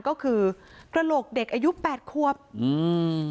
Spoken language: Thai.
ก็คือกระโหลกเด็กอายุแปดควบอืม